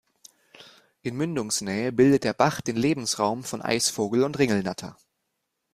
In Mündungsnähe bildet der Bach den Lebensraum von Eisvogel und Ringelnatter.